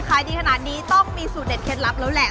ขายดีขนาดนี้ต้องมีสูตรเด็ดเคล็ดลับแล้วแหละ